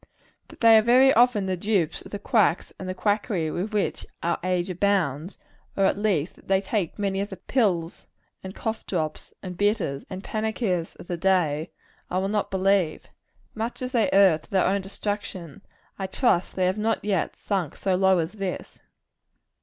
That they are very often the dupes of the quacks and quackery with which our age abounds or at least, that they take many of the pills, and cough drops, and bitters, and panaceas of the day I will not believe. Much as they err to their own destruction, I trust they have not yet sunk so low as this.